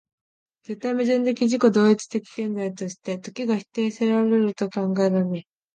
絶対矛盾的自己同一的現在として、時が否定せられると考えられる